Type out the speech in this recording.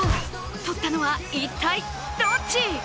とったのは一体、どっち？